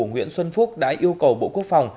nguyễn xuân phúc đã yêu cầu bộ quốc phòng